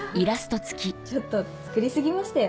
ちょっと作り過ぎましたよね。